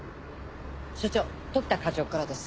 署長時田課長からです。